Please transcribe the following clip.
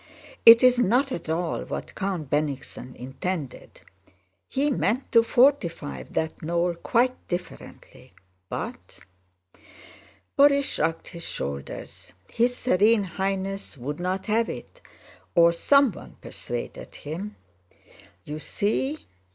"It is not at all what Count Bennigsen intended. He meant to fortify that knoll quite differently, but..." Borís shrugged his shoulders, "his Serene Highness would not have it, or someone persuaded him. You see..."